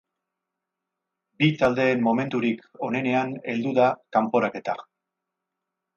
Bi taldeen momenturik onenean heldu da kanporaketa.